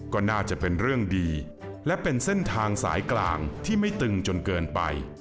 ก็น่าจะเป็นเรื่องดีและเป็นเส้นทางสายกลางที่ไม่ตึงจนเกินไป